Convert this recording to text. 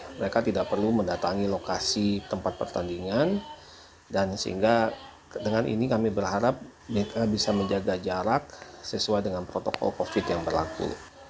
menjaga jarak sesuai dengan protokol covid yang berlaku